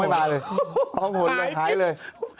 ไม่เป็นไรเลยร่องหนเลยไหลเลย